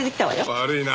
悪いな。